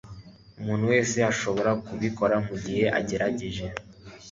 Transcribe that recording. Umuntu wese arashobora kubikora mugihe agerageje.